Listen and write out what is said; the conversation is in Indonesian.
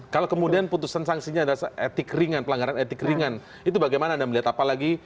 kalau kemudian putusan sanksinya adalah etik ringan pelanggaran etik ringan itu bagaimana anda melihat apalagi